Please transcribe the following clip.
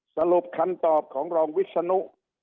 สรุปคำตอบของรองวิศนุ